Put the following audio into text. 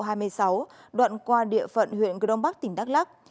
đoạn qua lộ hai mươi sáu đoạn qua địa phận huyện cơ đông bắc tỉnh đắk lắc